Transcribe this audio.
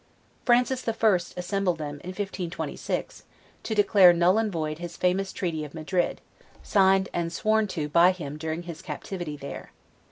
Francis the First assembled them, in 1526, to declare null and void his famous treaty of Madrid, signed and sworn to by him during his captivity there.